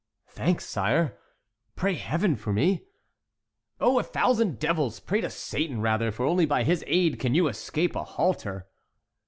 "Thanks, sire; pray Heaven for me!" "Oh, a thousand devils! pray to Satan rather; for only by his aid can you escape a halter."